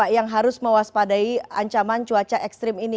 yang harus mewaspadai ancaman cuaca ekstrim ini